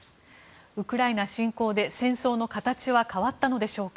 ウクライナ侵攻で戦争の形は変わったのでしょうか。